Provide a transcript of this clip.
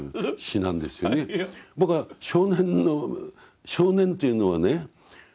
僕は少年の少年っていうのはね